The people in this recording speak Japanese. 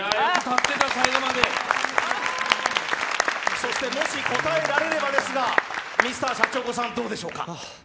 そしてもし答えられればですが、Ｍｒ．シャチホコさん、どうでしょうか。